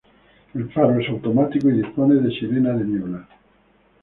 El faro es automático y dispone de sirena de niebla.